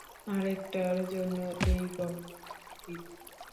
আরেকটার জন্য এই গহনা গুলো দিব।